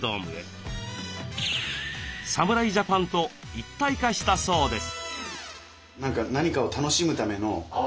侍ジャパンと一体化したそうです。